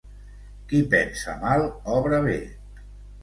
Qui pensa mal obra bé.